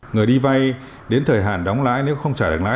người đi vay đến thời hạn đóng lãi nếu không trả được lãi